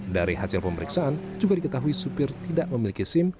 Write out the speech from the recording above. dari hasil pemeriksaan juga diketahui supir tidak memiliki sim